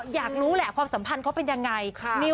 อยากรู้แหละความสัมพันธ์เขาเป็นยังไง